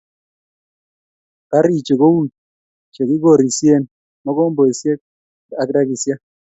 Garichu kou chekikorisie, mogombesiek ak rekisiek